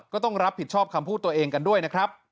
ก็ชอบคำพูดตัวเองกันด้วยนะครับ